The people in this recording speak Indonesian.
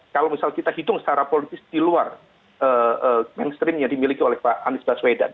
kalau misal kita hitung secara politis di luar mainstream yang dimiliki oleh pak anies baswedan